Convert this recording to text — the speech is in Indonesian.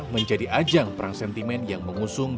menjadi ajang perang sentimen yang mengusung